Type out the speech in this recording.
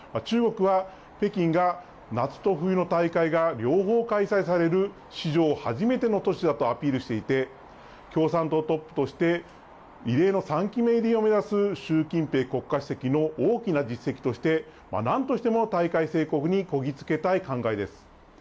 中国は、北京が夏と冬の大会が両方開催される史上初めての都市だとアピールしていて、共産党トップとして異例の３期目入りを目指す習近平国家主席の大きな実績として、なんとしても大会成功にこぎ着けたい考えです。